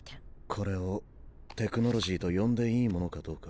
これをテクノロジーと呼んでいいものかどうか。